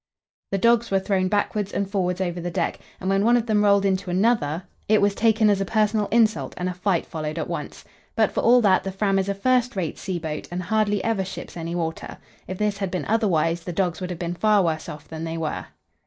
The dogs were thrown backwards and forwards over the deck, and when one of them rolled into another, it was taken as a personal insult, and a fight followed at once. But for all that the Fram is a first rate sea boat, and hardly ever ships any water. If this had been otherwise, the dogs would have been far worse off than they were.